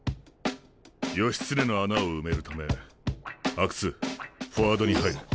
義経の穴を埋めるため阿久津フォワードに入れ。